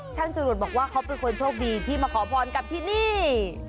จรวดบอกว่าเขาเป็นคนโชคดีที่มาขอพรกับที่นี่